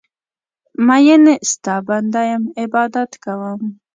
میینې ستا بنده یم عبادت کوم